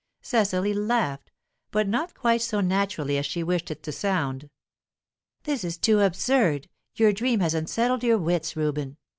Cecily laughed, but not quite so naturally as she wished it to sound. "This is too absurd Your dream has unsettled your wits, Reuben.